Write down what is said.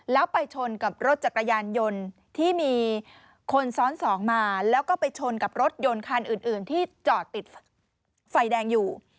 แล้วไปชนกับรถจักรยานยนต์ที่มีคนซ้อนสองมาแล้วก็ไปชนกับรถยนต์คันอื่นที่จอดติดไฟแดงอยู่